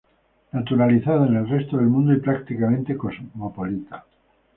Naturalizada en el resto del mundo y prácticamente cosmopolita.